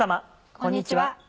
こんにちは。